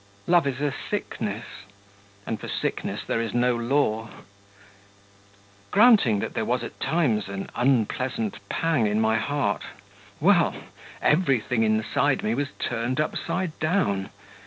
Love is a sickness; and for sickness there is no law. Granting that there was at times an unpleasant pang in my heart; well, everything inside me was turned upside down.